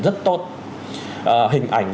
rất tốt hình ảnh